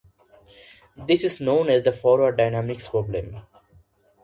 This is known as the forward dynamics problem.